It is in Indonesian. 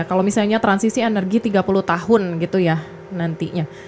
kalau misalnya transisi energi tiga puluh tahun gitu ya nantinya